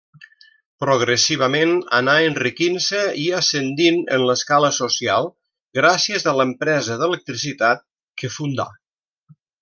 Progressivament anà enriquint-se i ascendint en l'escala social, gràcies a l'empresa d'electricitat que fundà.